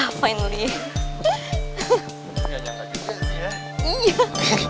gak nyangka gitu sih ya